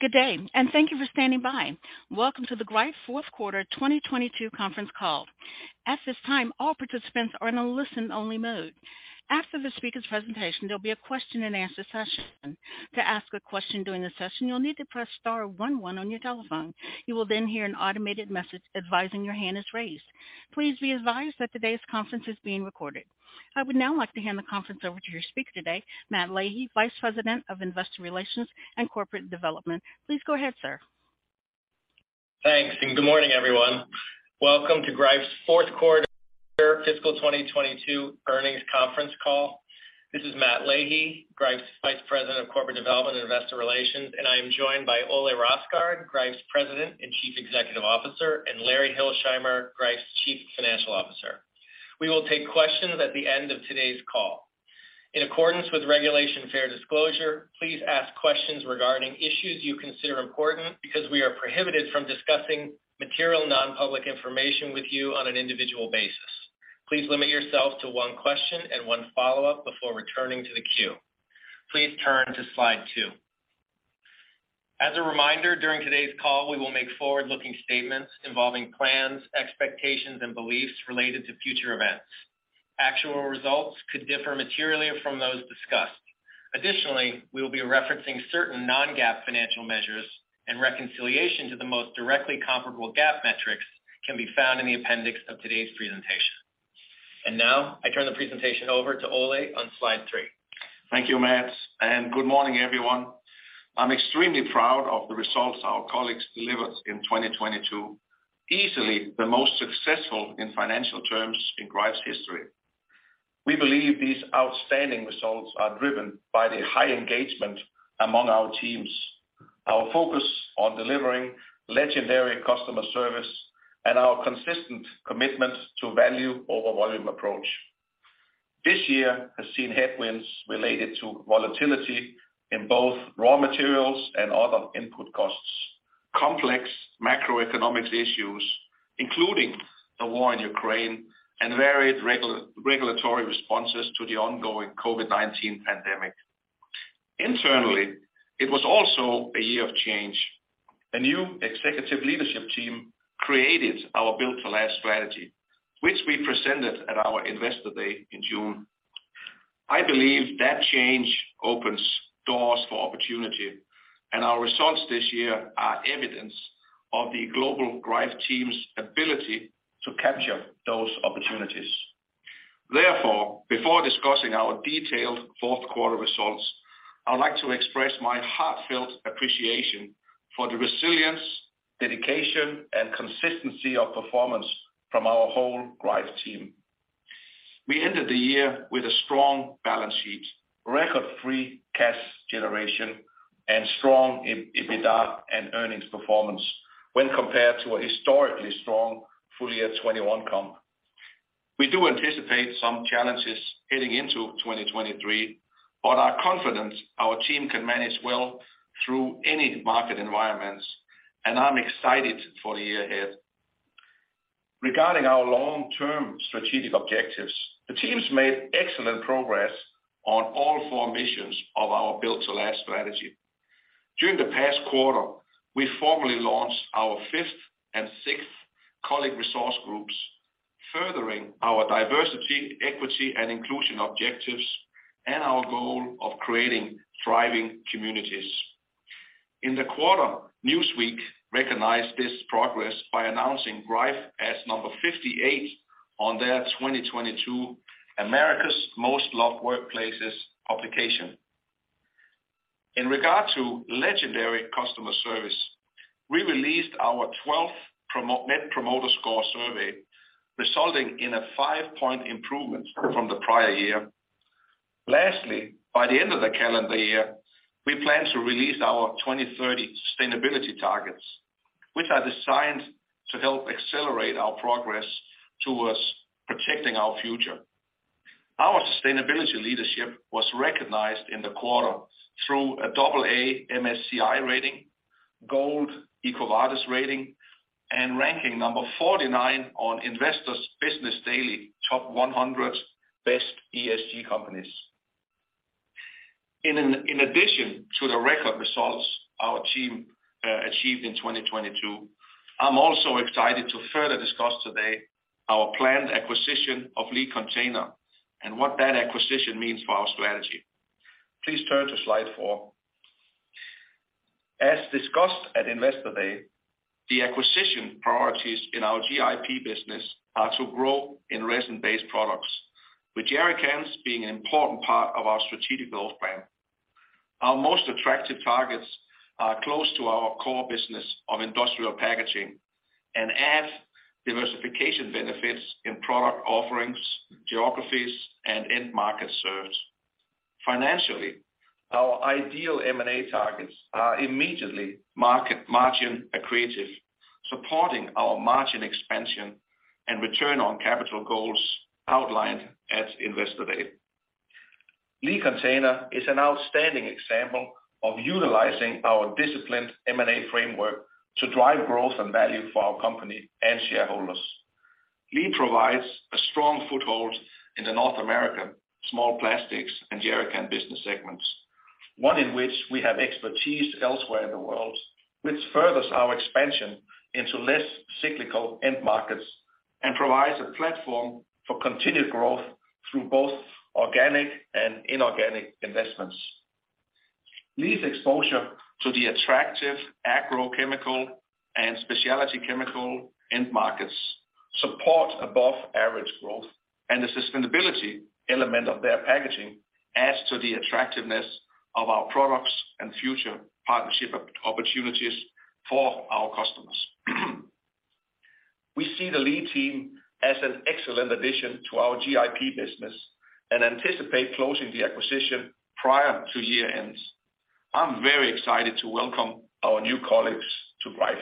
Good day. Thank you for standing by. Welcome to the Greif Fourth Quarter 2022 conference call. At this time, all participants are in a listen-only mode. After the speaker's presentation, there'll be a question-and-answer session. To ask a question during the session, you'll need to press star one one on your telephone. You will then hear an automated message advising your hand is raised. Please be advised that today's conference is being recorded. I would now like to hand the conference over to your speaker today, Matt Leahy, Vice President of Investor Relations and Corporate Development. Please go ahead, sir. Thanks, good morning, everyone. Welcome to Greif's fourth quarter fiscal 2022 earnings conference call. This is Matt Leahy, Greif's Vice President of Corporate Development and Investor Relations. I am joined by Ole Rosgaard, Greif's President and Chief Executive Officer, and Larry Hilsheimer, Greif's Chief Financial Officer. We will take questions at the end of today's call. In accordance with Regulation Fair Disclosure, please ask questions regarding issues you consider important because we are prohibited from discussing material non-public information with you on an individual basis. Please limit yourself to one question and one follow-up before returning to the queue. Please turn to slide 2. As a reminder, during today's call, we will make forward-looking statements involving plans, expectations, and beliefs related to future events. Actual results could differ materially from those discussed. Additionally, we will be referencing certain non-GAAP financial measures and reconciliation to the most directly comparable GAAP metrics can be found in the appendix of today's presentation. Now, I turn the presentation over to Ole on slide 3. Thank you, Matt, good morning, everyone. I'm extremely proud of the results our colleagues delivered in 2022, easily the most successful in financial terms in Greif's history. We believe these outstanding results are driven by the high engagement among our teams, our focus on delivering legendary customer service, and our consistent commitment to value over volume approach. This year has seen headwinds related to volatility in both raw materials and other input costs, complex macroeconomics issues, including the war in Ukraine and varied regulatory responses to the ongoing COVID-19 pandemic. Internally, it was also a year of change. A new executive leadership team created our Build to Last strategy, which we presented at our Investor Day in June. I believe that change opens doors for opportunity, and our results this year are evidence of the global Greif team's ability to capture those opportunities. Before discussing our detailed fourth quarter results, I would like to express my heartfelt appreciation for the resilience, dedication, and consistency of performance from our whole Greif team. We ended the year with a strong balance sheet, record free cash generation, and strong EBITDA and earnings performance when compared to a historically strong full year 2021 comp. We do anticipate some challenges heading into 2023, but are confident our team can manage well through any market environments, and I'm excited for the year ahead. Regarding our long-term strategic objectives, the teams made excellent progress on all four missions of our Build to Last strategy. During the past quarter, we formally launched our fifth and sixth colleague resource groups, furthering our diversity, equity, and inclusion objectives and our goal of creating thriving communities. In the quarter, Newsweek recognized this progress by announcing Greif as number 58 on their 2022 America's Most Loved Workplaces publication. In regard to legendary customer service, we released our 12th Net Promoter Score survey, resulting in a 5-point improvement from the prior year. Lastly, by the end of the calendar year, we plan to release our 2030 sustainability targets, which are designed to help accelerate our progress towards protecting our future. Our sustainability leadership was recognized in the quarter through a double A MSCI rating, Gold EcoVadis rating, and ranking number 49 on Investor's Business Daily Top 100 Best ESG Companies. In addition to the record results our team achieved in 2022, I'm also excited to further discuss today our planned acquisition of Lee Container and what that acquisition means for our strategy. Please turn to slide 4. As discussed at Investor Day, the acquisition priorities in our GIP business are to grow in resin-based products, with jerrycans being an important part of our strategic growth plan. Our most attractive targets are close to our core business of industrial packaging and add diversification benefits in product offerings, geographies, and end markets served. Financially, our ideal M&A targets are immediately market margin accretive, supporting our margin expansion and return on capital goals outlined at Investor Day. Lee Container is an outstanding example of utilizing our disciplined M&A framework to drive growth and value for our company and shareholders. Lee provides a strong foothold in the North American small plastics and jerrican business segments, one in which we have expertise elsewhere in the world, which furthers our expansion into less cyclical end markets and provides a platform for continued growth through both organic and inorganic investments. Lee's exposure to the attractive agrochemical and specialty chemical end markets support above average growth. The sustainability element of their packaging adds to the attractiveness of our products and future partnership opportunities for our customers. We see the Lee team as an excellent addition to our GIP business and anticipate closing the acquisition prior to year-end. I'm very excited to welcome our new colleagues to Greif.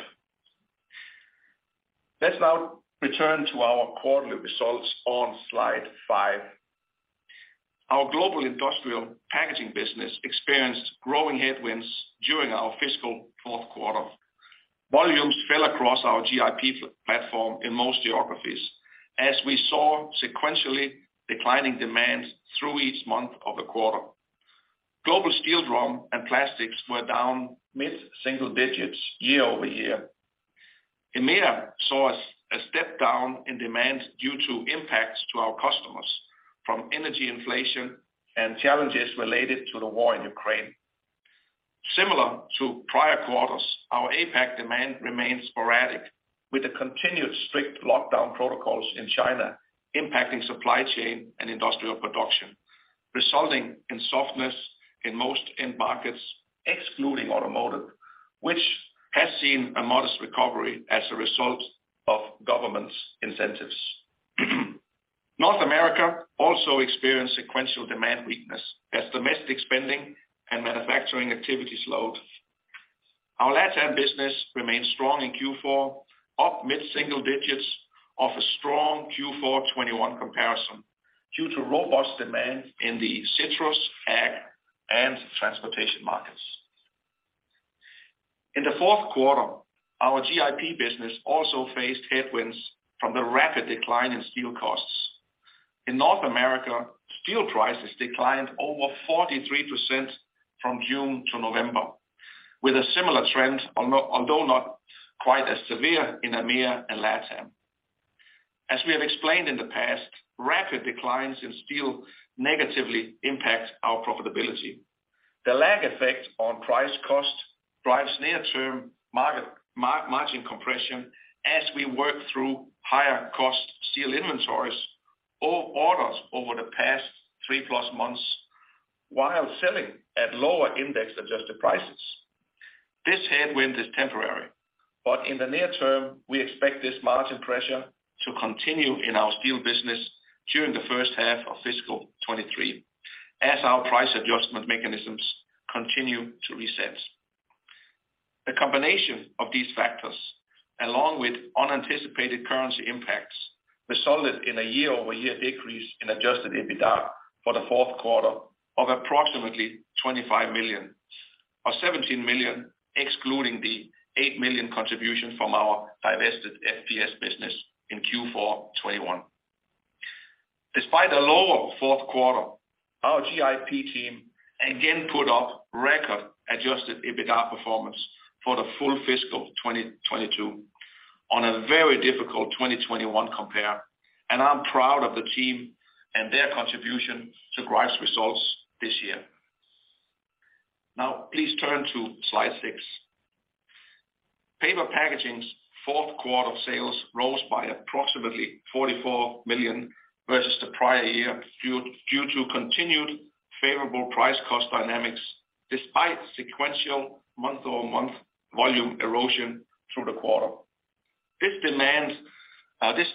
Let's now return to our quarterly results on slide 5. Our global industrial packaging business experienced growing headwinds during our fiscal fourth quarter. Volumes fell across our GIP platform in most geographies as we saw sequentially declining demand through each month of the quarter. Global steel drum and plastics were down mid-single digits year-over-year. EMEA saw a step down in demand due to impacts to our customers from energy inflation and challenges related to the war in Ukraine. Similar to prior quarters, our APAC demand remains sporadic, with the continued strict lockdown protocols in China impacting supply chain and industrial production, resulting in softness in most end markets, excluding automotive, which has seen a modest recovery as a result of government's incentives. North America also experienced sequential demand weakness as domestic spending and manufacturing activity slowed. Our LatAm business remained strong in Q4, up mid-single digits off a strong Q4 2021 comparison due to robust demand in the citrus, ag, and transportation markets. In the fourth quarter, our GIP business also faced headwinds from the rapid decline in steel costs. In North America, steel prices declined over 43% from June to November, with a similar trend, although not quite as severe in EMEA and LatAm. As we have explained in the past, rapid declines in steel negatively impact our profitability. The lag effect on price cost drives near-term market margin compression as we work through higher cost steel inventories or orders over the past 3-plus months while selling at lower index adjusted prices. This headwind is temporary. In the near term, we expect this margin pressure to continue in our steel business during the first half of fiscal 2023, as our price adjustment mechanisms continue to reset. The combination of these factors, along with unanticipated currency impacts, resulted in a year-over-year decrease in adjusted EBITDA for the fourth quarter of approximately $25 million, or $17 million, excluding the $8 million contribution from our divested FPS business in Q4 2021. Despite a lower fourth quarter, our GIP team again put up record adjusted EBITDA performance for the full fiscal 2022 on a very difficult 2021 compare. I'm proud of the team and their contribution to Greif's results this year. Now, please turn to slide 6. Paper packaging's fourth quarter sales rose by approximately $44 million versus the prior year due to continued favorable price cost dynamics despite sequential month-over-month volume erosion through the quarter. This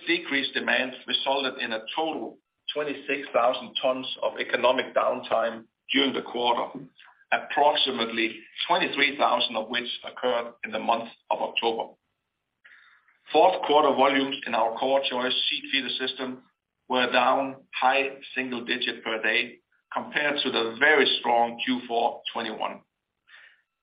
decreased demand resulted in a total 26,000 tons of economic downtime during the quarter, approximately 23,000 of which occurred in the month of October. Fourth quarter volumes in our CorrChoice sheet feeder system were down high single digit per day compared to the very strong Q4 '21.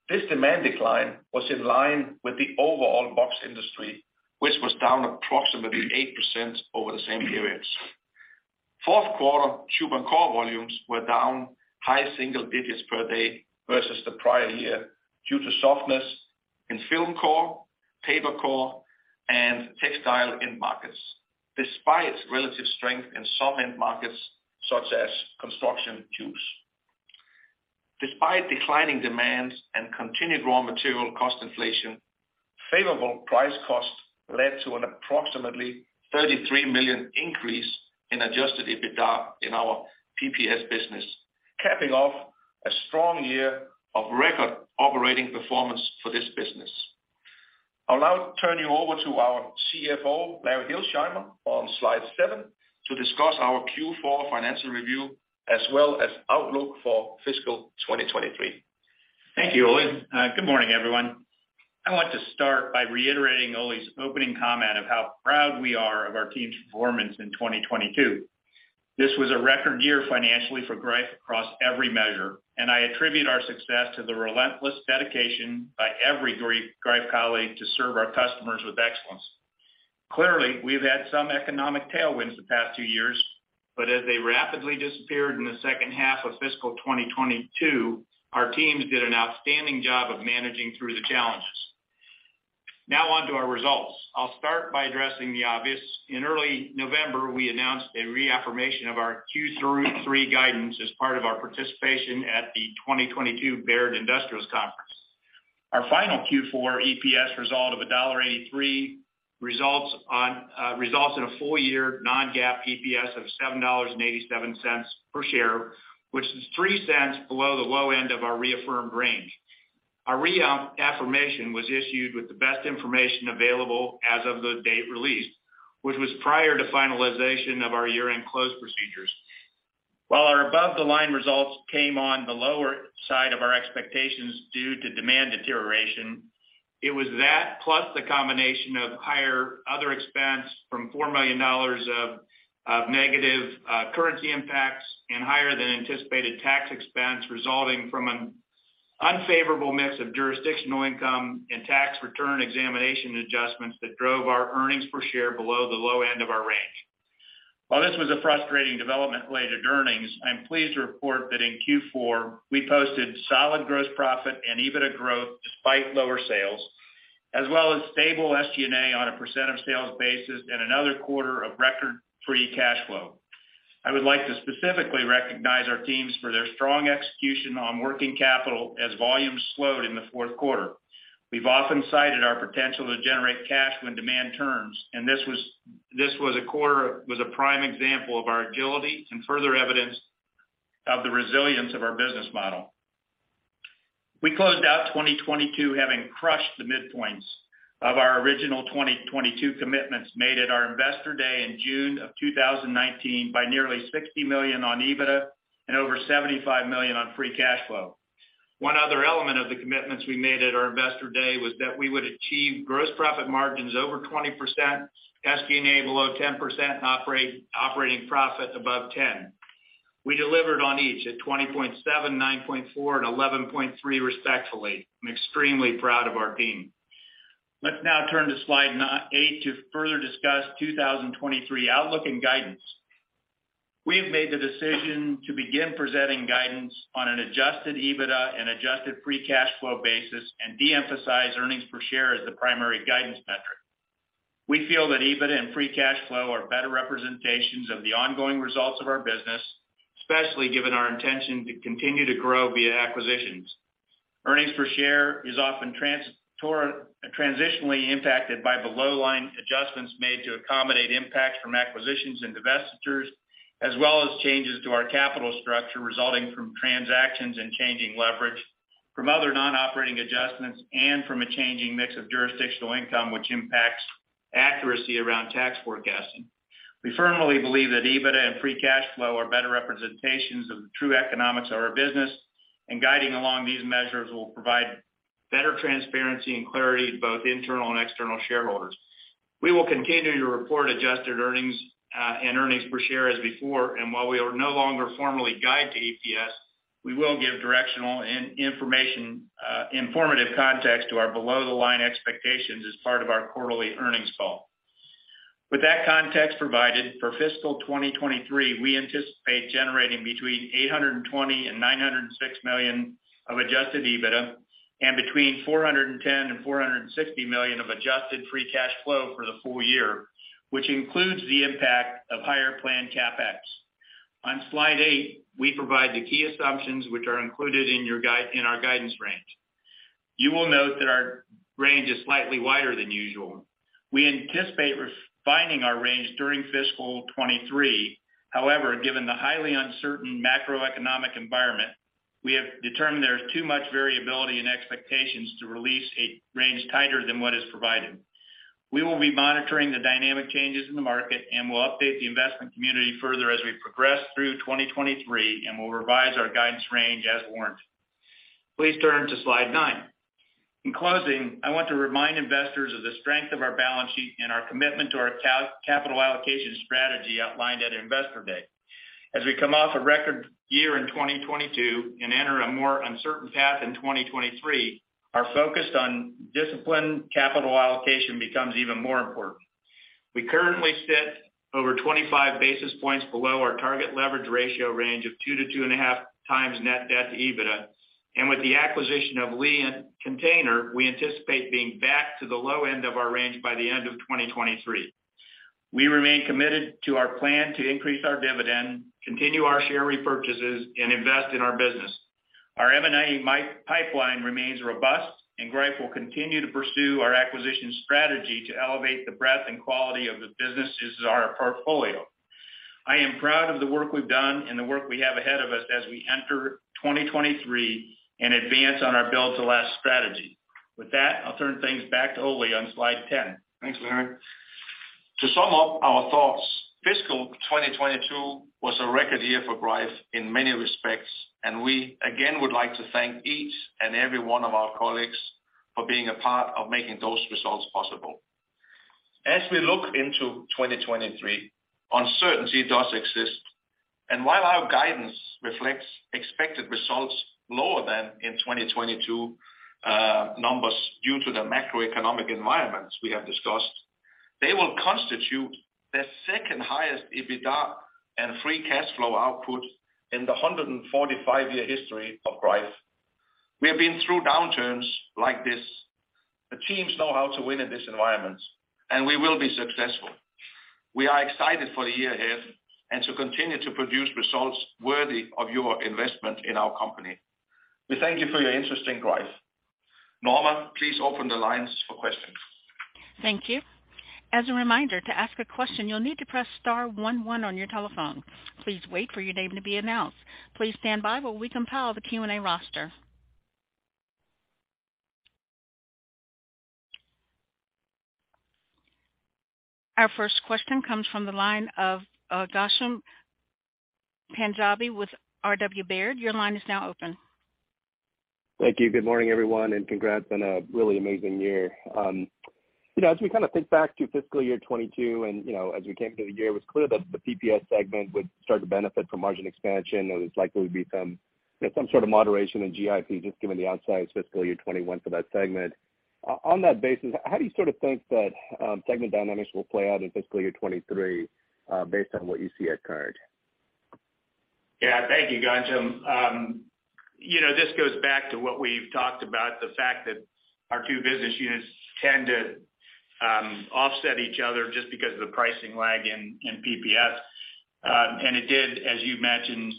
This demand decline was in line with the overall box industry, which was down approximately 8% over the same periods. Fourth quarter tube and core volumes were down high single digits per day versus the prior year due to softness in film core, paper core, and textile end markets, despite relative strength in some end markets such as construction tubes. Despite declining demands and continued raw material cost inflation, favorable price cost led to an approximately $33 million increase in adjusted EBITDA in our PPS business, capping off a strong year of record operating performance for this business. I'll now turn you over to our CFO, Larry Hilsheimer, on slide seven to discuss our Q4 financial review as well as outlook for fiscal 2023. Thank you, Ole. Good morning, everyone. I want to start by reiterating Ole's opening comment of how proud we are of our team's performance in 2022. This was a record year financially for Greif across every measure, and I attribute our success to the relentless dedication by every Greif colleague to serve our customers with excellence. Clearly, we've had some economic tailwinds the past 2 years, but as they rapidly disappeared in the second half of fiscal 2022, our teams did an outstanding job of managing through the challenges. Now on to our results. I'll start by addressing the obvious. In early November, we announced a reaffirmation of our Q3 guidance as part of our participation at the 2022 Baird Industrials Conference. Our final Q4 EPS result of $1.83 results in a full-year non-GAAP EPS of $7.87 per share, which is $0.03 below the low end of our reaffirmed range. Our reaffirmation was issued with the best information available as of the date released, which was prior to finalization of our year-end close procedures. While our above-the-line results came on the lower side of our expectations due to demand deterioration, it was that plus the combination of higher other expense from $4 million of negative currency impacts and higher than anticipated tax expense resulting from an unfavorable mix of jurisdictional income and tax return examination adjustments that drove our earnings per share below the low end of our range. While this was a frustrating development related to earnings, I'm pleased to report that in Q4, we posted solid gross profit and EBITDA growth despite lower sales, as well as stable SG&A on a % of sales basis and another quarter of record free cash flow. I would like to specifically recognize our teams for their strong execution on working capital as volumes slowed in the fourth quarter. We've often cited our potential to generate cash when demand turns. This was a prime example of our agility and further evidence of the resilience of our business model. We closed out 2022 having crushed the midpoints of our original 2022 commitments made at our Investor Day in June of 2019 by nearly $60 million on EBITDA and over $75 million on free cash flow. One other element of the commitments we made at our Investor Day was that we would achieve gross profit margins over 20%, SG&A below 10%, operating profit above 10%. We delivered on each at 20.7, 9.4, 11.3, respectfully. I'm extremely proud of our team. Let's now turn to slide 8 to further discuss 2023 outlook and guidance. We have made the decision to begin presenting guidance on an adjusted EBITDA and adjusted free cash flow basis and de-emphasize Earnings per Share as the primary guidance metric. We feel that EBITDA and free cash flow are better representations of the ongoing results of our business, especially given our intention to continue to grow via acquisitions. Earnings per Share is often transitionally impacted by below-the-line adjustments made to accommodate impacts from acquisitions and divestitures, as well as changes to our capital structure resulting from transactions and changing leverage from other non-operating adjustments and from a changing mix of jurisdictional income which impacts accuracy around tax forecasting. We firmly believe that EBITDA and free cash flow are better representations of the true economics of our business, and guiding along these measures will provide better transparency and clarity to both internal and external shareholders. We will continue to report adjusted earnings and earnings per share as before, and while we will no longer formally guide to EPS, we will give directional information, informative context to our below-the-line expectations as part of our quarterly earnings call. With that context provided, for fiscal 2023, we anticipate generating between $820 million and $906 million of adjusted EBITDA and between $410 million and $460 million of adjusted free cash flow for the full year, which includes the impact of higher planned CapEx. On slide 8, we provide the key assumptions which are included in our guidance range. You will note that our range is slightly wider than usual. We anticipate refining our range during fiscal 2023. Given the highly uncertain macroeconomic environment, we have determined there is too much variability in expectations to release a range tighter than what is provided. We will be monitoring the dynamic changes in the market, we'll update the investment community further as we progress through 2023, we'll revise our guidance range as warranted. Please turn to slide 9. In closing, I want to remind investors of the strength of our balance sheet and our commitment to our capital allocation strategy outlined at Investor Day. As we come off a record year in 2022 and enter a more uncertain path in 2023, our focus on disciplined capital allocation becomes even more important. We currently sit over 25 basis points below our target leverage ratio range of 2 to 2.5 times net debt to EBITDA, and with the acquisition of Lee Container, we anticipate being back to the low end of our range by the end of 2023. We remain committed to our plan to increase our dividend, continue our share repurchases, and invest in our business. Our M&A pipeline remains robust, and Greif will continue to pursue our acquisition strategy to elevate the breadth and quality of the businesses in our portfolio. I am proud of the work we've done and the work we have ahead of us as we enter 2023 and advance on our Build to Last strategy. With that, I'll turn things back to Ole on slide 10. Thanks, Larry. To sum up our thoughts, fiscal 2022 was a record year for Greif in many respects, and we again would like to thank each and every one of our colleagues for being a part of making those results possible. As we look into 2023, uncertainty does exist. While our guidance reflects expected results lower than in 2022, numbers due to the macroeconomic environments we have discussed, they will constitute the second-highest EBITDA and free cash flow output in the 145-year history of Greif. We have been through downturns like this. The teams know how to win in this environment. We will be successful. We are excited for the year ahead and to continue to produce results worthy of your investment in our company. We thank you for your interest in Greif. Norma, please open the lines for questions. Thank you. As a reminder, to ask a question, you'll need to press star 1 1 on your telephone. Please wait for your name to be announced. Please stand by while we compile the Q&A roster. Our first question comes from the line of Ghansham Panjabi with RW Baird. Your line is now open. Thank you. Good morning, everyone, and congrats on a really amazing year. You know, as we kind of think back to fiscal year 2022 and, you know, as we came through the year, it was clear that the PPS segment would start to benefit from margin expansion, and there's likely to be some sort of moderation in GIP, just given the outsize fiscal year 2021 for that segment. On that basis, how do you sort of think that segment dynamics will play out in fiscal year 2023, based on what you see at current? Yeah. Thank you, Ghansham. You know, this goes back to what we've talked about, the fact that our two business units tend to offset each other just because of the pricing lag in PPS. And it did, as you mentioned,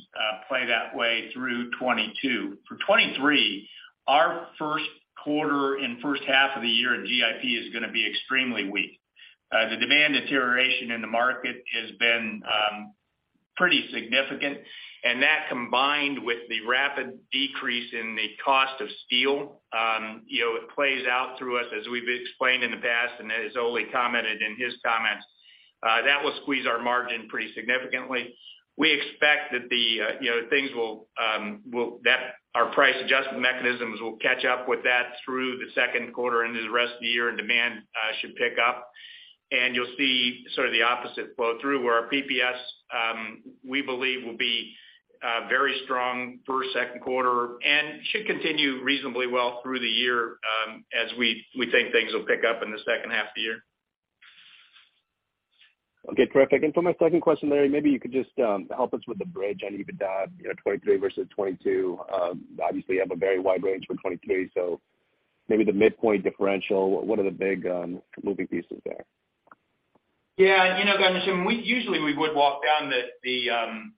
play that way through 22. For 23, our first quarter and first half of the year in GIP is gonna be extremely weak. The demand deterioration in the market has been pretty significant, and that combined with the rapid decrease in the cost of steel, you know, it plays out through us as we've explained in the past and as Ole commented in his comments. That will squeeze our margin pretty significantly. We expect that, you know, things will that our price adjustment mechanisms will catch up with that through the second quarter into the rest of the year, and demand should pick up. You'll see sort of the opposite flow through, where our PPS we believe will be very strong first, second quarter and should continue reasonably well through the year, as we think things will pick up in the second half of the year. Okay. Terrific. For my second question, Larry, maybe you could just help us with the bridge on EBITDA, you know, 23 versus 22. Obviously, you have a very wide range for 23, so maybe the midpoint differential. What are the big moving pieces there? Yeah. You know, Ghansham, usually we would walk down the midpoint,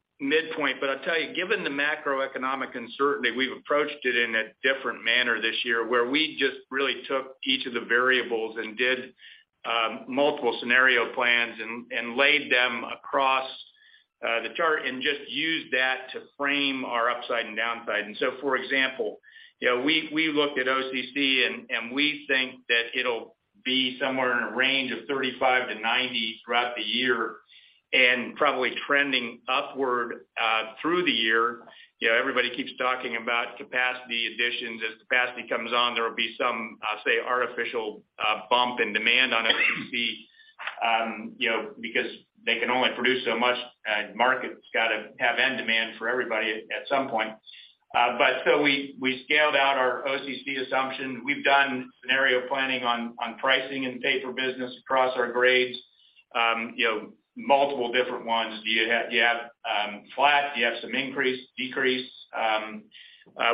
but I'll tell you, given the macroeconomic uncertainty, we've approached it in a different manner this year, where we just really took each of the variables and did multiple scenario plans and laid them across the chart and just used that to frame our upside and downside. For example, you know, we looked at OCC and we think that it'll be somewhere in a range of $35-$90 throughout the year and probably trending upward through the year. You know, everybody keeps talking about capacity additions. As capacity comes on, there will be some, say, artificial bump in demand on OCC, you know, because they can only produce so much. Market's got to have end demand for everybody at some point. We scaled out our OCC assumption. We've done scenario planning on pricing and paper business across our grades, you know, multiple different ones. Do you have flat? Do you have some increase, decrease?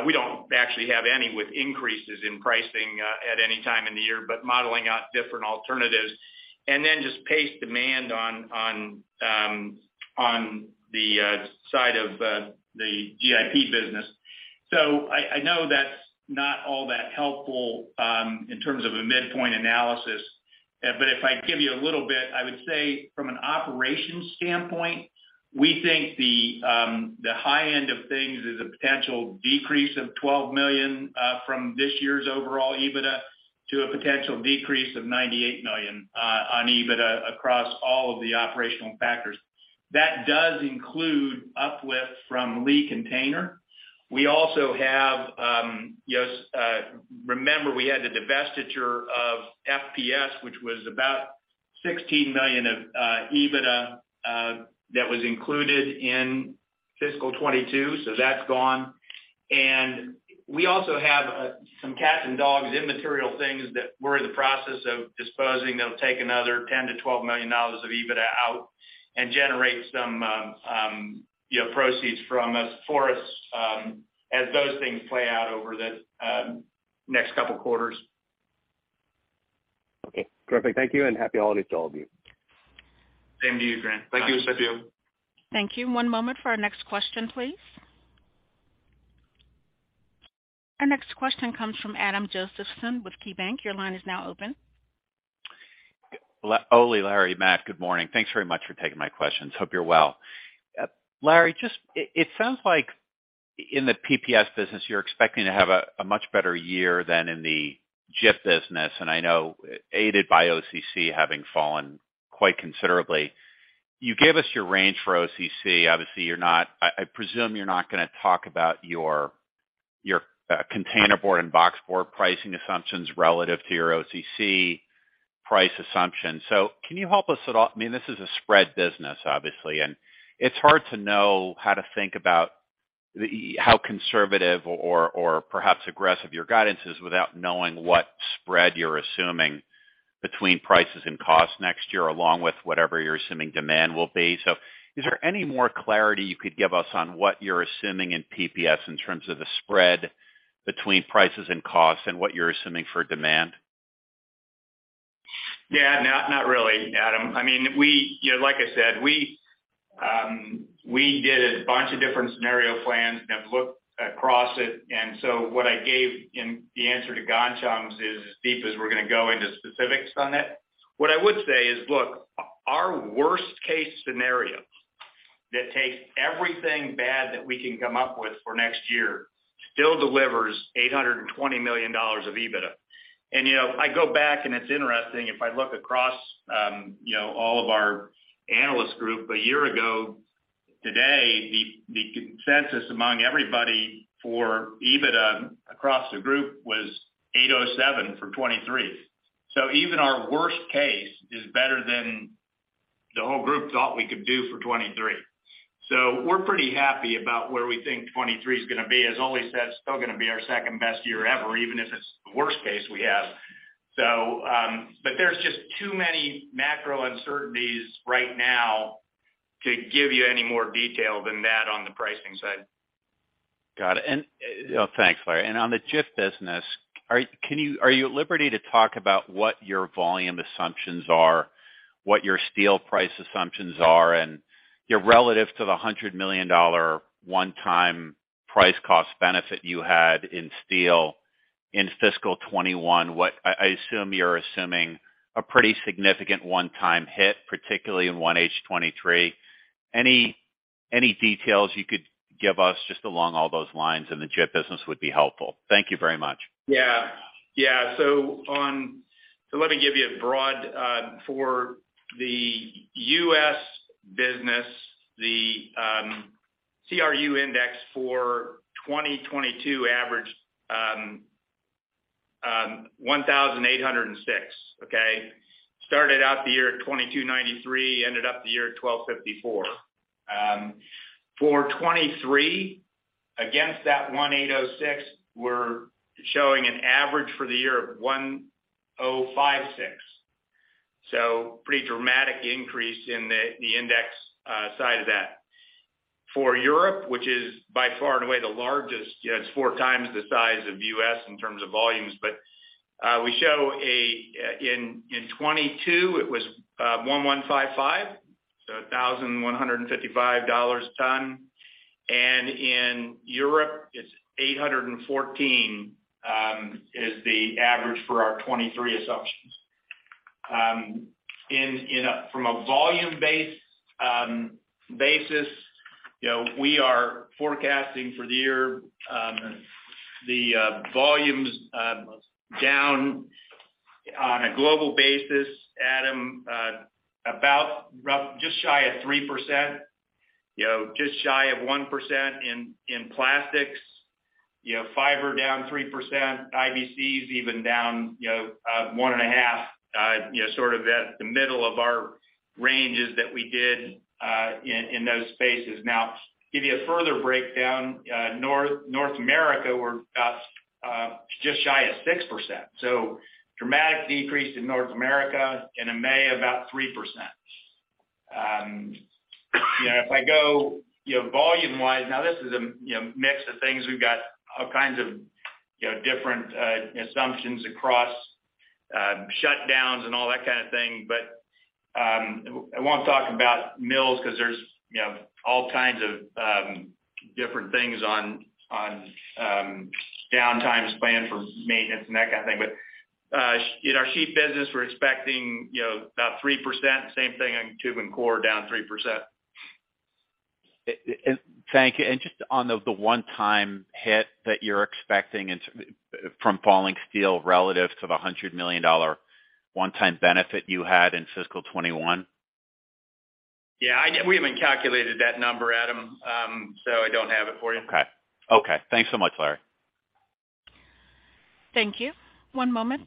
We don't actually have any with increases in pricing at any time in the year, but modeling out different alternatives. Just pace demand on the side of the GIP business. I know that's not all that helpful in terms of a midpoint analysis. If I give you a little bit, I would say from an operations standpoint, we think the high end of things is a potential decrease of $12 million from this year's overall EBITDA to a potential decrease of $98 million on EBITDA across all of the operational factors. That does include uplift from Lee Container. We also have, you know, remember we had the divestiture of FPS, which was about $16 million of EBITDA that was included in fiscal 2022, so that's gone. We also have some cats and dogs, immaterial things that we're in the process of disposing that'll take another $10 million-$12 million of EBITDA out and generate some, you know, proceeds from us for us as those things play out over the next couple quarters. Okay. Perfect. Thank you, and happy holidays to all of you. Same to you, Ghansham. Thank you. One moment for our next question, please. Our next question comes from Adam Josephson with KeyBank. Your line is now open. Ole, Larry, Matt, good morning. Thanks very much for taking my questions. Hope you're well. Larry, just it sounds like in the PPS business, you're expecting to have a much better year than in the GIP business, I know aided by OCC having fallen quite considerably. You gave us your range for OCC. Obviously, I presume you're not gonna talk about your container board and box board pricing assumptions relative to your OCC price assumption. Can you help us at all? I mean, this is a spread business, obviously, and it's hard to know how to think about how conservative or perhaps aggressive your guidance is without knowing what spread you're assuming between prices and costs next year, along with whatever you're assuming demand will be. Is there any more clarity you could give us on what you're assuming in PPS in terms of the spread between prices and costs and what you're assuming for demand? Yeah. Not really, Adam. I mean, you know, like I said, we did a bunch of different scenario plans and have looked across it. What I gave in the answer to Ghansham is as deep as we're gonna go into specifics on it. What I would say is, look, our worst-case scenario that takes everything bad that we can come up with for next year still delivers $820 million of EBITDA. You know, I go back, and it's interesting, if I look across, you know, all of our analyst group a year ago today, the consensus among everybody for EBITDA across the group was $807 for 2023. Even our worst case is better than the whole group thought we could do for 2023. We're pretty happy about where we think 23 is gonna be. As Ole said, it's still gonna be our second-best year ever, even if it's the worst case we have. There's just too many macro uncertainties right now to give you any more detail than that on the pricing side. Got it. You know, thanks, Larry. On the GIP business, are you at liberty to talk about what your volume assumptions are, what your steel price assumptions are? You know, relative to the $100 million one-time price cost benefit you had in steel in fiscal 2021, I assume you're assuming a pretty significant one-time hit, particularly in 1H 2023. Any details you could give us just along all those lines in the GIP business would be helpful. Thank you very much. Yeah. Yeah. Let me give you a broad. For the U.S. business, the CRU index for 2022 averaged 1,806. Okay? Started out the year at 2,293, ended up the year at 1,254. For 2023, against that 1,806, we're showing an average for the year of 1,056, so pretty dramatic increase in the index side of that. For Europe, which is by far and away the largest, you know, it's four times the size of U.S. in terms of volumes. We show in 2022, it was 1,155, so $1,155 a ton. In Europe, it's 814 is the average for our 2023 assumptions. From a volume-based basis, you know, we are forecasting for the year, the volumes down on a global basis, Adam, about just shy of 3%, you know, just shy of 1% in plastics. You know, fiber down 3%, IBCs even down, you know, 1.5%, you know, sort of at the middle of our ranges that we did in those spaces. Now, to give you a further breakdown, North America were just shy of 6%, so dramatic decrease in North America, and in May, about 3%. You know, if I go, you know, volume-wise, now this is a, you know, mix of things. We've got all kinds of, you know, different assumptions across shutdowns and all that kind of thing. I won't talk about mills because there's, you know, all kinds of, different things on, downtime planned for maintenance and that kind of thing. In our sheet business, we're expecting, you know, about 3%. Same thing on tube and core, down 3%. Thank you. Just on the one-time hit that you're expecting from falling steel relative to the $100 million one-time benefit you had in fiscal 2021. Yeah, we haven't calculated that number, Adam. I don't have it for you. Okay. Okay. Thanks so much, Larry. Thank you. One moment.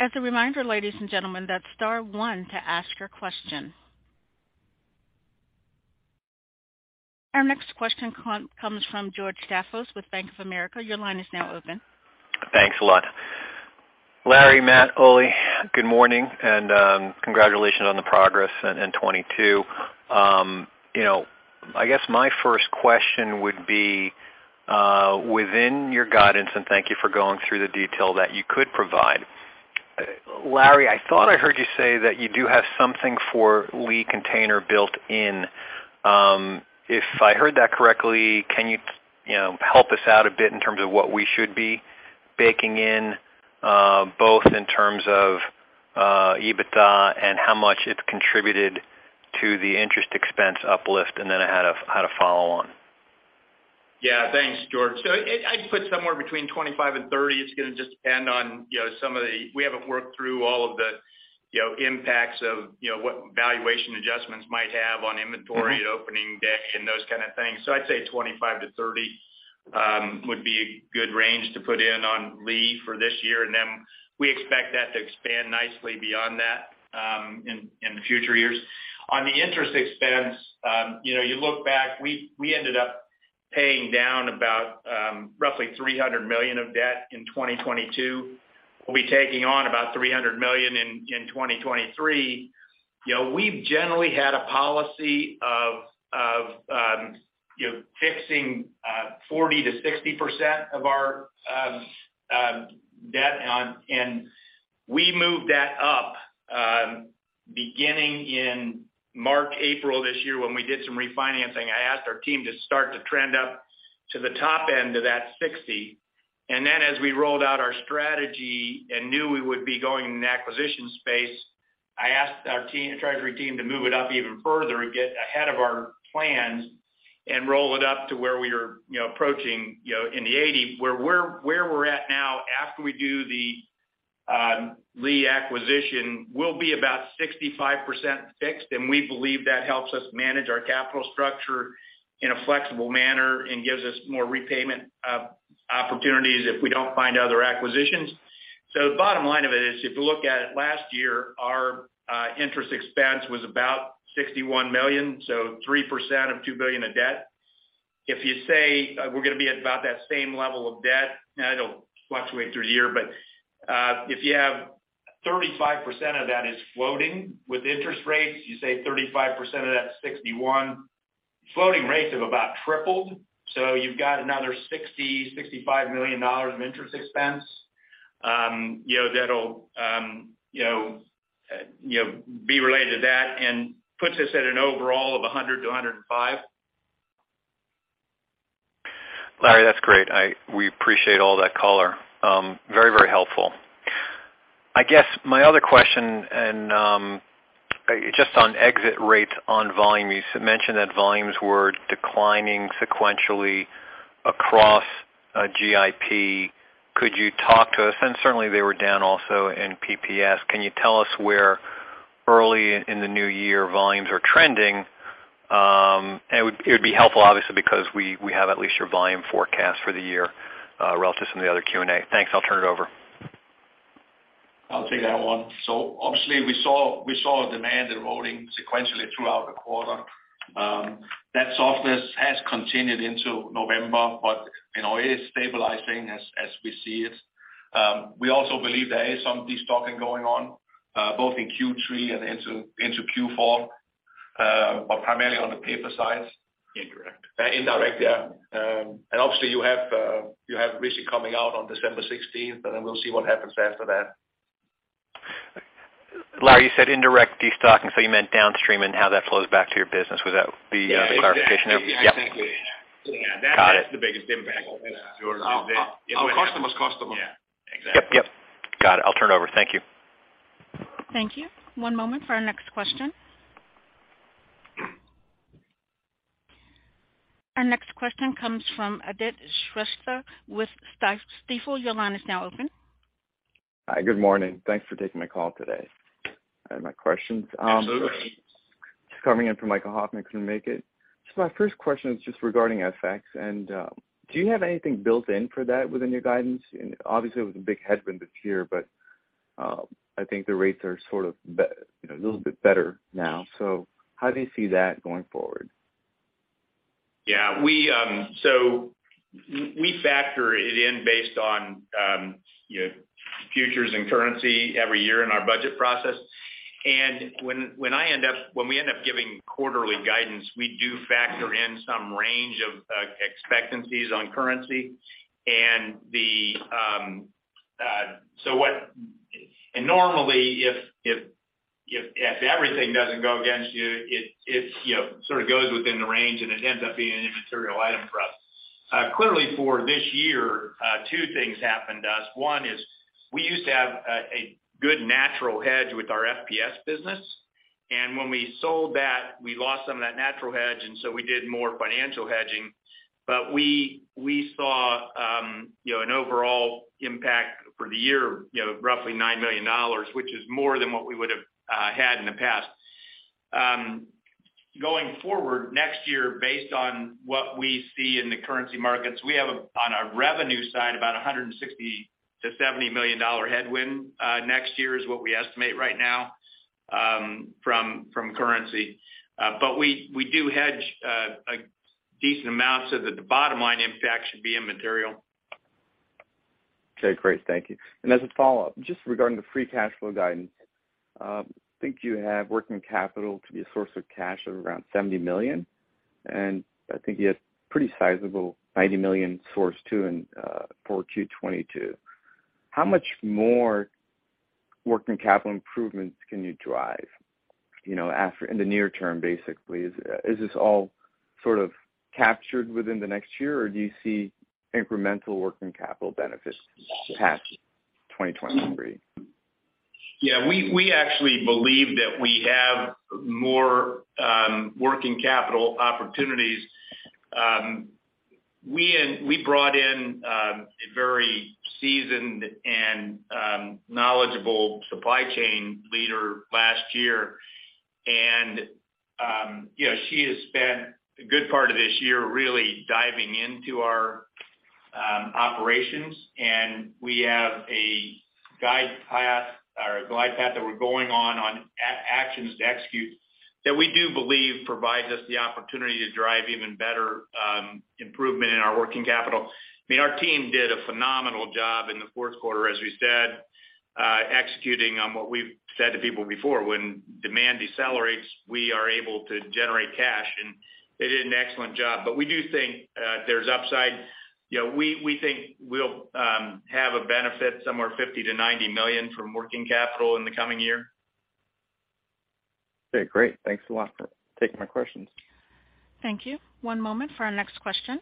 As a reminder, ladies and gentlemen, that's star 1 to ask your question. Our next question comes from George Staphos with Bank of America. Your line is now open. Thanks a lot. Larry, Matt, Ole, good morning. Congratulations on the progress in 22. You know, I guess my first question would be within your guidance, and thank you for going through the detail that you could provide. Larry, I thought I heard you say that you do have something for Lee Container built in. If I heard that correctly, can you know, help us out a bit in terms of what we should be baking in, both in terms of EBITDA and how much it's contributed to the interest expense uplift? I had a follow-on. Yeah. Thanks, George. I'd put somewhere between $25 million and $30 million. It's gonna just depend on, you know, some of the. We haven't worked through all of the. You know, impacts of, you know, what valuation adjustments might have on inventory at opening day and those kind of things. I'd say $25 million-$30 million would be a good range to put in on Lee for this year. We expect that to expand nicely beyond that, in future years. On the interest expense, you know, you look back, we ended up paying down about roughly $300 million of debt in 2022. We'll be taking on about $300 million in 2023. You know, we've generally had a policy of, you know, fixing, 40%-60% of our debt on... We moved that up, beginning in March, April this year when we did some refinancing. I asked our team to start to trend up to the top end of that 60. Then as we rolled out our strategy and knew we would be going in the acquisition space, I asked our team, our treasury team to move it up even further and get ahead of our plans and roll it up to where we were, you know, approaching, you know, in the 80. Where we're at now after we do the Lee acquisition will be about 65% fixed, and we believe that helps us manage our capital structure in a flexible manner and gives us more repayment opportunities if we don't find other acquisitions. The bottom line of it is, if you look at it last year, our interest expense was about $61 million, so 3% of $2 billion of debt. If you say we're gonna be at about that same level of debt, and it'll fluctuate through the year. If you have 35% of that is floating with interest rates, you say 35% of that 61. Floating rates have about tripled, you've got another $60 million-$65 million of interest expense. You know, that'll, you know, you know, be related to that and puts us at an overall of $100 million-$105 million. Larry, that's great. We appreciate all that color. Very, very helpful. I guess my other question, and just on exit rates on volume, you mentioned that volumes were declining sequentially across GIP. Could you talk to us? Certainly they were down also in PPS. Can you tell us where early in the new year volumes are trending? And it would, it would be helpful obviously because we have at least your volume forecast for the year, relative to some of the other Q&A. Thanks. I'll turn it over. I'll take that one. Obviously we saw demand eroding sequentially throughout the quarter. That softness has continued into November, but you know, it is stabilizing as we see it. We also believe there is some destocking going on, both in Q3 and into Q4, but primarily on the paper side. Indirect. Indirect. Yeah. Obviously you have, you have RISI coming out on December 16th, and then we'll see what happens after that. Larry, you said indirect destocking, so you meant downstream and how that flows back to your business. Would that be a clarification of-? Yeah. Exactly. Yeah. Got it. That is the biggest impact. Our customer's customer. Yeah. Exactly. Yep. Yep. Got it. I'll turn it over. Thank you. Thank you. One moment for our next question. Our next question comes from Aadit Shrestha with Stifel. Your line is now open. Hi. Good morning. Thanks for taking my call today. I have my questions. Absolutely. Just coming in for Michael Hoffman, couldn't make it. My first question is just regarding FX. Do you have anything built in for that within your guidance? Obviously it was a big headwind this year, but I think the rates are sort of you know, a little bit better now. How do you see that going forward? Yeah. We factor it in based on, you know, futures and currency every year in our budget process. When we end up giving quarterly guidance, we do factor in some range of expectancies on currency. Normally if everything doesn't go against you, it, you know, sort of goes within the range and it ends up being an immaterial item for us. Clearly for this year, 2 things happened to us. One is we used to have a good natural hedge with our FPS business, and when we sold that, we lost some of that natural hedge, and so we did more financial hedging. We, we saw, you know, an overall impact for the year, you know, of roughly $9 million, which is more than what we would've had in the past. Going forward, next year, based on what we see in the currency markets, we have on a revenue side, about a $160 million-$170 million headwind, next year is what we estimate right now, from currency. We, we do hedge a decent amount so that the bottom line impact should be immaterial. Okay, great. Thank you. As a follow-up, just regarding the free cash flow guidance, I think you have working capital to be a source of cash of around $70 million, and I think you had pretty sizable $90 million source too in for Q 2022. How much more working capital improvements can you drive, you know, in the near term, basically? Is this all sort of captured within the next year, or do you see incremental working capital benefits past 2023? Yeah. We actually believe that we have more working capital opportunities. We brought in a very seasoned and knowledgeable supply chain leader last year. You know, she has spent a good part of this year really diving into our operations. We have a guide path or a glide path that we're going on, actions to execute that we do believe provides us the opportunity to drive even better improvement in our working capital. I mean, our team did a phenomenal job in the fourth quarter, as we said, executing on what we've said to people before. When demand decelerates, we are able to generate cash, and they did an excellent job. We do think there's upside. You know, we think we'll have a benefit somewhere $50 million-$90 million from working capital in the coming year. Okay, great. Thanks a lot for taking my questions. Thank you. One moment for our next question.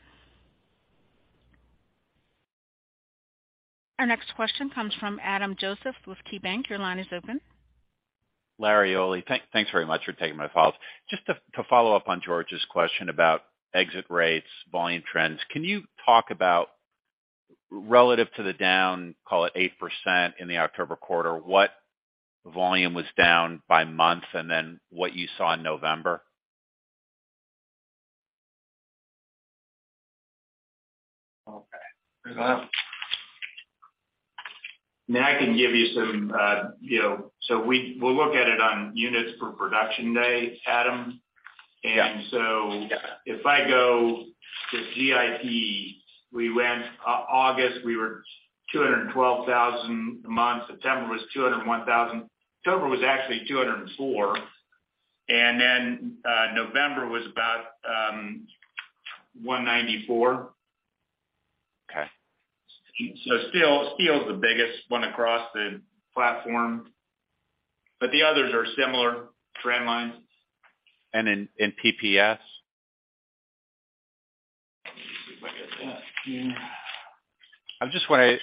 Our next question comes from Adam Josephson with KeyBank. Your line is open. Larry, Ole, thanks very much for taking my calls. Just to follow up on George's question about exit rates, volume trends, can you talk about relative to the down, call it 8% in the October quarter, what volume was down by month, and then what you saw in November? Okay. Now, I can give you some, you know, we'll look at it on units per production day, Adam. Yeah. If I go to GIP, we went August, we were 212,000 a month. September was 201,000. October was actually 204. November was about 194. Okay. Steel is the biggest one across the platform, but the others are similar trend lines. in, and PPS? Let me see. Where is it at? Yeah.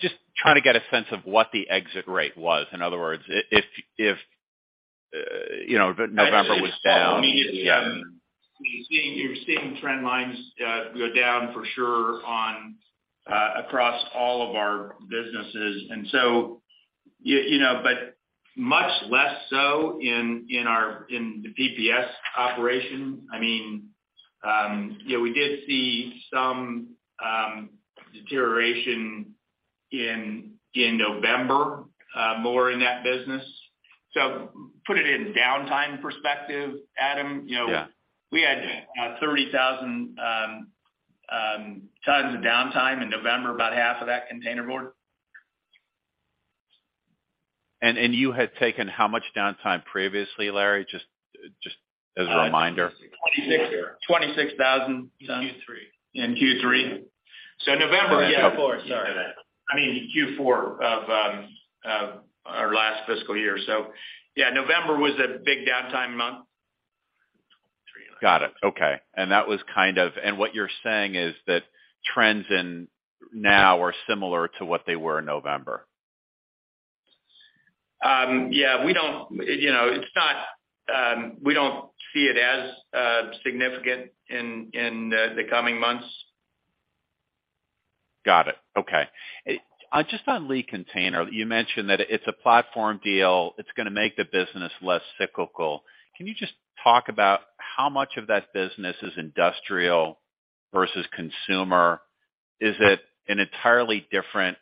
Just trying to get a sense of what the exit rate was. In other words, if, you know, November was. Immediately, you're seeing trend lines go down for sure on across all of our businesses. you know, much less so in our, in the PPS operation. I mean, you know, we did see some deterioration in November more in that business. put it in downtime perspective, Adam, you know. Yeah. We had 30,000 tons of downtime in November, about half of that containerboard. You had taken how much downtime previously, Larry? Just as a reminder. 26,000. In Q3. In Q3. November- Q4, sorry. I mean, Q4 of our last fiscal year. yeah, November was a big downtime month. Got it. Okay. What you're saying is that trends in now are similar to what they were in November. Yeah, we don't, you know, it's not, we don't see it as significant in the coming months. Got it. Okay. Just on Lee Container, you mentioned that it's a platform deal. It's gonna make the business less cyclical. Can you just talk about how much of that business is industrial versus consumer? Is it an entirely different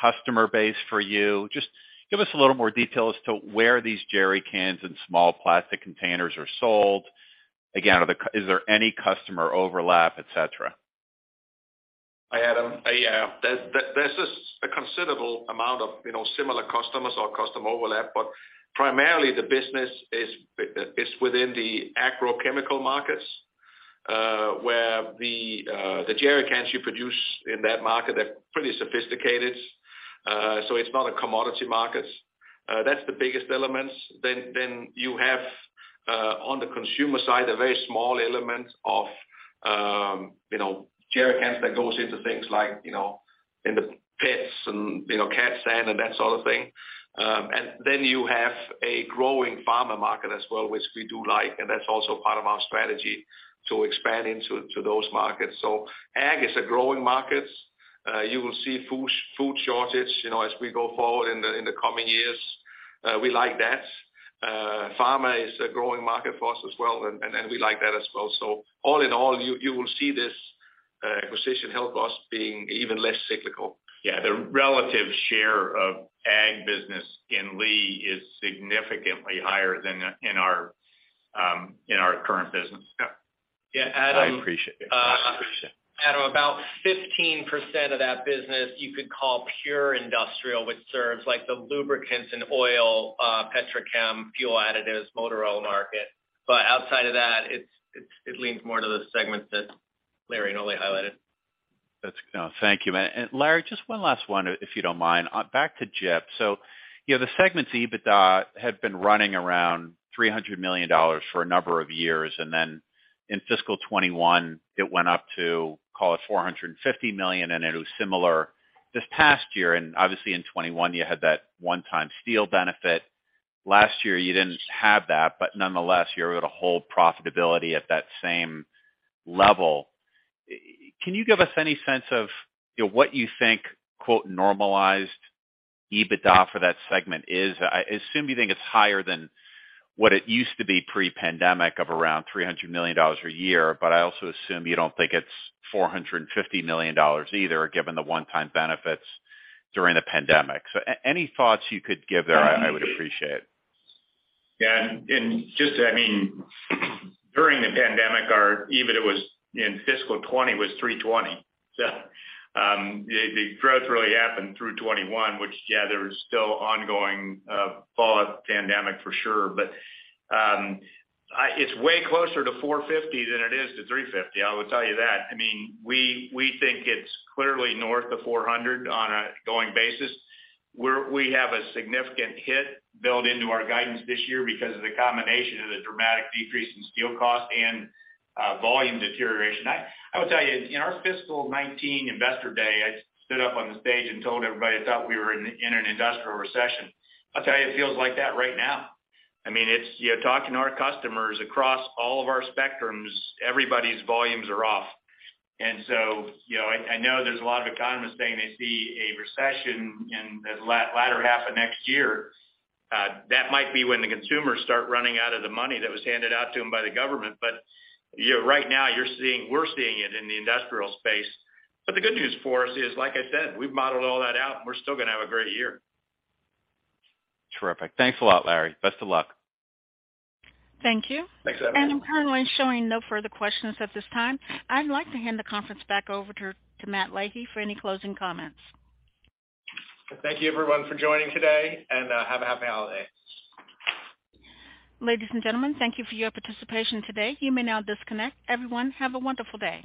customer base for you? Just give us a little more detail as to where these jerrycans and small plastic containers are sold. Again, is there any customer overlap, et cetera? Hi, Adam. Yeah. There's a considerable amount of, you know, similar customers or customer overlap, primarily the business is within the agrochemical markets, where the jerrycans you produce in that market are pretty sophisticated. It's not a commodity market. That's the biggest elements. Then you have on the consumer side, a very small element of, you know, jerrycans that goes into things like, you know, in the pets and, you know, cat sand and that sort of thing. You have a growing pharma market as well, which we do like, and that's also part of our strategy to expand into those markets. Ag is a growing market. You will see food shortage, you know, as we go forward in the coming years. We like that. Pharma is a growing market for us as well, and we like that as well. All in all, you will see this acquisition help us being even less cyclical. Yeah. The relative share of ag business in Lee is significantly higher than, in our, in our current business. Yeah. Yeah, Adam- I appreciate it. Adam, about 15% of that business you could call pure industrial, which serves like the lubricants and oil, petrochem, fuel additives, motor oil market. Outside of that, it leans more to the segments that Larry and Ole highlighted. That's. Thank you. Larry, just 1 last one, if you don't mind. Back to GIP. you know, the segment's EBITDA had been running around $300 million for a number of years. In fiscal 2021, it went up to, call it $450 million, and it was similar this past year. Obviously in 2021, you had that one-time steel benefit. Last year, you didn't have that, nonetheless, you were able to hold profitability at that same level. Can you give us any sense of, you know, what you think, quote, normalized EBITDA for that segment is? I assume you think it's higher than what it used to be pre-pandemic of around $300 million a year. I also assume you don't think it's $450 million either, given the one-time benefits during the pandemic. Any thoughts you could give there, I would appreciate. Yeah. Just, I mean, during the pandemic or even it was in fiscal 2020 was $320. The growth really happened through 2021, which, yeah, there was still ongoing, fallout pandemic for sure. It's way closer to $450 than it is to $350, I will tell you that. I mean, we think it's clearly north of $400 on a going basis. We have a significant hit built into our guidance this year because of the combination of the dramatic decrease in steel cost and, volume deterioration. I will tell you, in our fiscal 2019 Investor Day, I stood up on the stage and told everybody I thought we were in an industrial recession. I'll tell you, it feels like that right now. I mean, it's, you know, talking to our customers across all of our spectrums, everybody's volumes are off. You know, I know there's a lot of economists saying they see a recession in the latter half of next year. That might be when the consumers start running out of the money that was handed out to them by the government. You know, right now we're seeing it in the industrial space. The good news for us is, like I said, we've modeled all that out, and we're still gonna have a great year. Terrific. Thanks a lot, Larry. Best of luck. Thank you. Thanks, Adam. I'm currently showing no further questions at this time. I'd like to hand the conference back over to Matt Leahy for any closing comments. Thank you, everyone, for joining today. Have a happy holiday. Ladies and gentlemen, thank you for your participation today. You may now disconnect. Everyone, have a wonderful day.